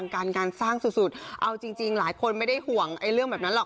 การการสร้างสุดเอาจริงหลายคนไม่ได้ห่วงเรื่องแบบนั้นหรอก